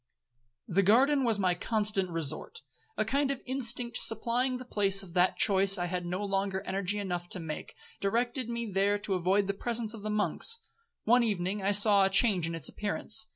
'The garden was my constant resort,—a kind of instinct supplying the place of that choice I had no longer energy enough to make, directed me there to avoid the presence of the monks. One evening I saw a change in its appearance.